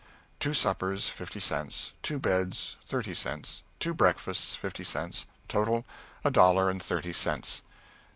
"Two suppers, fifty cents; two beds, thirty cents; two breakfasts, fifty cents total, a dollar and thirty cents."